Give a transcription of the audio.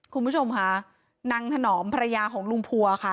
คุณผู้ชมค่ะนางถนอมภรรยาของลุงพัวค่ะ